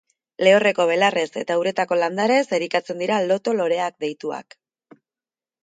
Lehorreko belarrez eta uretako landareez elikatzen dira, loto loreak deituak.